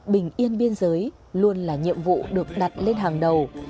bình yên biên giới luôn là nhiệm vụ được đặt lên hàng đầu